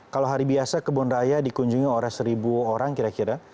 kalau hari biasa kebun raya dikunjungi oleh seribu orang kira kira